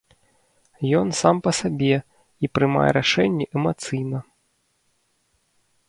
Ён сам па сабе і прымае рашэнні эмацыйна.